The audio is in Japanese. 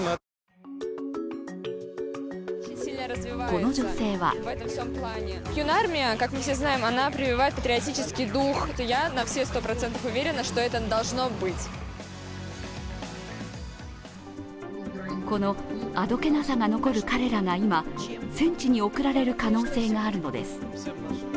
この女性はこのあどけなさが残る彼らが今戦地に送られる可能性があるのです。